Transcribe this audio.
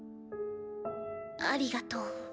ありがとう。